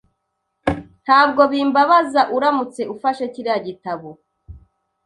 Ntabwo bimbabaza uramutse ufashe kiriya gitabo .